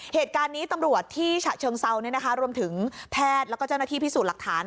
เหตุการณ์นี้ตำรวจที่ฉะเชิงเซารวมถึงแพทย์แล้วก็เจ้าหน้าที่พิสูจน์หลักฐาน